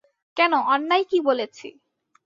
কেন, অন্যায় কী বলেছি!